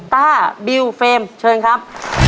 ต้าบิวเฟรมเชิญครับ